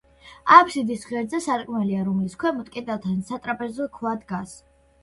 აფსიდის ღერძზე სარკმელია, რომლის ქვემოთ კედელთან სატრაპეზო ქვა დგას.